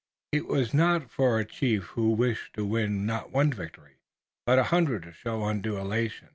It was not for a chief who wished to win not one victory, but a hundred to show undue elation.